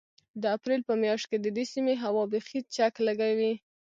د اپرېل په مياشت کې د دې سيمې هوا بيخي چک لګوي.